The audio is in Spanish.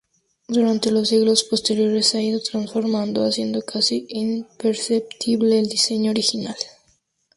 Durante los siglos posteriores se ha ido transformando, haciendo casi imperceptible el diseño original.